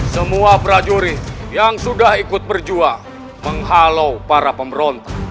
semua prajurit yang sudah ikut berjuang menghalau para pemberontak